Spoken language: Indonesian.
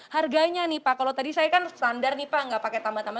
harganya nih pak kalau tadi saya kan standar nih pak nggak pakai tambah tambah